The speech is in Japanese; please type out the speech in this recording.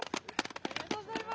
ありがとうございます。